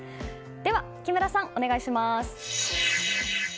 では、木村さんお願いします。